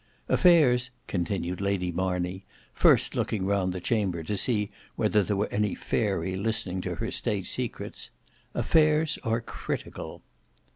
Affairs," continued Lady Marney, first looking round the chamber to see whether there were any fairy listening to her state secrets, "affairs are critical."